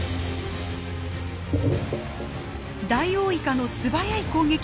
ダイオウイカの素早い攻撃！